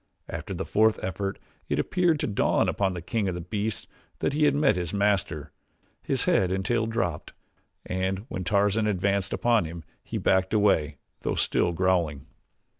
After the fourth effort it appeared to dawn upon the king of beasts that he had met his master, his head and tail dropped and when Tarzan advanced upon him he backed away, though still growling.